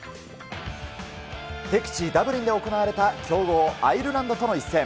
敵地、ダブリンで行われた強豪アイルランドとの一戦。